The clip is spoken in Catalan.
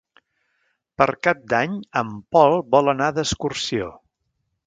Per Cap d'Any en Pol vol anar d'excursió.